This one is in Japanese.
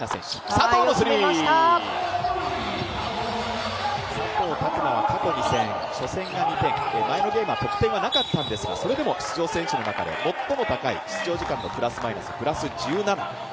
佐藤卓磨は過去２戦、初戦が２点前のゲームは得点はなかったんですけど、出場選手の中で最も高い、出場時間のプラスマイナス、プラス１７。